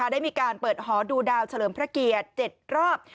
ได้มีการเปิดหอดูดาวเฉลิมพระเกียรติ๗รอบ